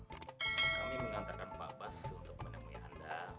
kami mengantarkan pak bas untuk menemui anda